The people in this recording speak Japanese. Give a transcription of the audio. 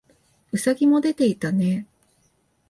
兎もでていたねえ